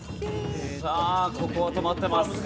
さあここは止まってます。